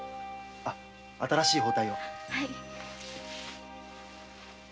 あ新しい包帯を。